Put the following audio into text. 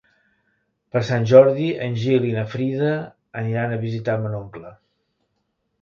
Per Sant Jordi en Gil i na Frida aniran a visitar mon oncle.